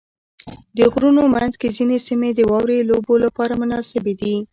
د غرونو منځ کې ځینې سیمې د واورې لوبو لپاره مناسبې دي.